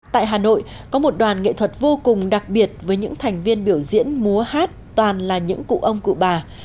tại hà nội có một đoàn nghệ thuật vô cùng đặc biệt với những thành viên biểu diễn múa hát toàn là những cụ ông cụ bà